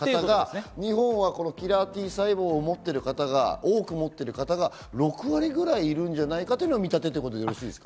日本はこのキラーＴ細胞を多く持っている方が６割ぐらいいるんじゃないかというのが見立てということですか？